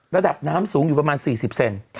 ระดับน้ำสูงอยู่ประมาณ๔๐เซน